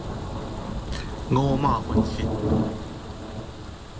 五馬分屍